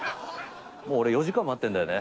もう俺４時間待ってるんだよね。